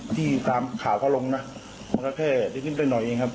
ที่ตามข่าวเขาลงนะมันก็แค่นิดหน่อยเองครับ